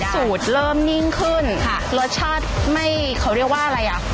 ก็สูตรเริ่มนิ่งขึ้นค่ะเหลือรสชาติเขาเรียกว่าอะไรอะ